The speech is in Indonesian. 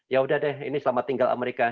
ya udah deh ini selamat tinggal amerika